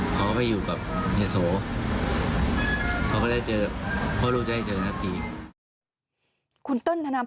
ขอเขาไปอยู่กับเหตุโศกเขาก็ได้เจอเพราะรู้ใจเจอกันหน้าที